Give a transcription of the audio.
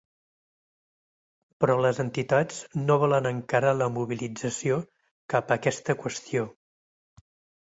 Però les entitats no volen encarar la mobilització cap a aquesta qüestió.